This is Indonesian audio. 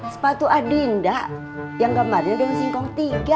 sepatu adinda yang gambarnya dengan singkong tiga